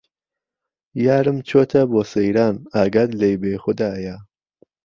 یارم چۆته بۆ سهیران ئاگات لێی بێ خودایا